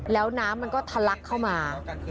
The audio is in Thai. แล้วน้ำมันก็ทะลักเข้ามา